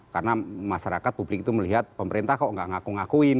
karena masyarakat publik itu melihat pemerintah kok nggak ngaku ngakuin